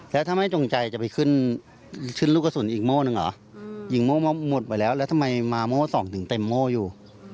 แล้วถ้าไม่จงใจจะไปขึ้นขึ้นลูกกระสุนอีกโม่หนึ่งเหรอยิงโม่หมดไปแล้วแล้วทำไมมาโม่สองถึงเต็มโม่อยู่